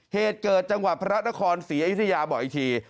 เหตุเกิดจังหวัดพระนครศรีอยุธยาบอกอีกที